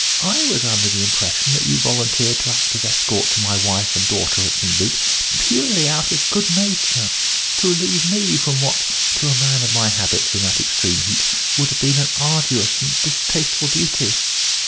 I was under the impression that you volunteered to act as escort to my wife and daughter at St. Luc purely out of good nature to relieve me from what to a man of my habits in that extreme heat would have been an arduous and distasteful duty."